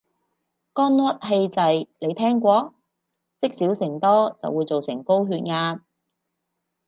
肝鬱氣滯，你聽過？積少成多就會做成高血壓